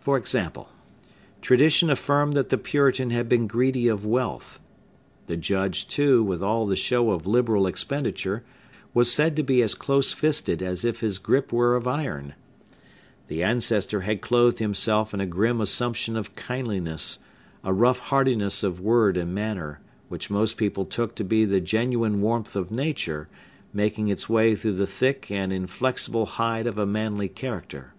For example: tradition affirmed that the Puritan had been greedy of wealth; the Judge, too, with all the show of liberal expenditure, was said to be as close fisted as if his gripe were of iron. The ancestor had clothed himself in a grim assumption of kindliness, a rough heartiness of word and manner, which most people took to be the genuine warmth of nature, making its way through the thick and inflexible hide of a manly character.